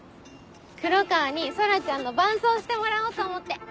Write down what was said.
黒川に空ちゃんの伴走してもらおうと思って。